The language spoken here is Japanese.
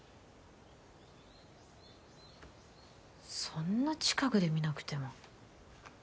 そんな近くで見なくても。